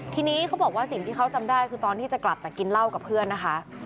ทีนี้เขาบอกว่าสิ่งที่เขาจำได้คือตอนที่จะกลับแต่กินเหล้ากับเพื่อนนะคะ